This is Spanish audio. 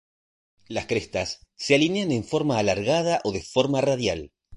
Las crestas se alinean en forma alargada o de forma radial.